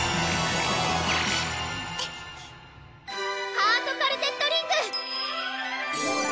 ハートカルテットリング！